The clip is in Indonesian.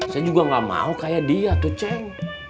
saya juga gak mau kayak dia tuh ceng